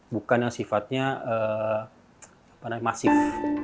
bukan yang sifatnya masif